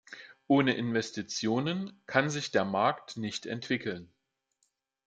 Ohne Investitionen kann sich der Markt nicht entwickeln.